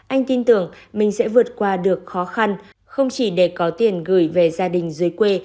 anh tin tưởng mình sẽ vượt qua được khó khăn không chỉ để có tiền gửi về gia đình dưới quê